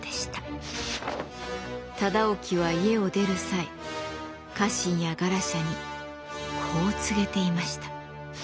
忠興は家を出る際家臣やガラシャにこう告げていました。